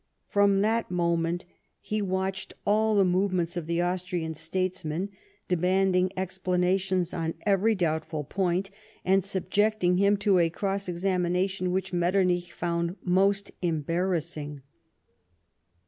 From that moment he watched all the movements of tlie Austrian statesman, demanding explanations on every doubtful point, and subjecting him to a cross examination which Metternich found most embarrassing.